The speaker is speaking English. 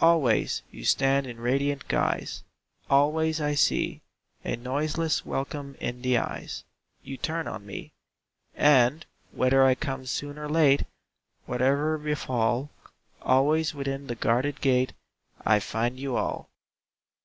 Always you stand in radiant guise, Always I see A noiseless welcome in the eyes You turn on me. And, whether I come soon or late, Whate'er befall, Always within the guarded gate I find you all.